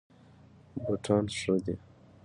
بوټان ښه دي.